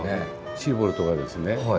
シーボルトがですね